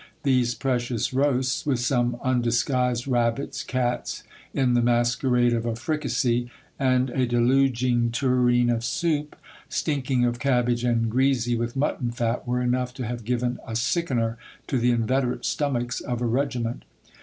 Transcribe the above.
These precious roasts, with some undisguised rabbits, cats in the masquerade of a fricassee, and a deluging tureen of soup, stinking of cabbage and greasy with mutton fat, were enough to have given a sickener to the inveterate stomachs of a regiment.